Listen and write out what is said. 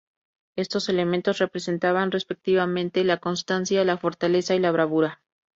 Estos elementos representaban respectivamente la constancia, la fortaleza y la bravura.